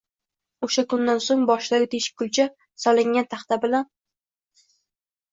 O'sha kundan so'ng boshidagi teshik-kulcha solingan taxta bilan